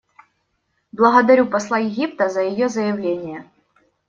Благодарю посла Египта за ее заявление.